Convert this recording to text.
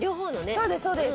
そうですそうです。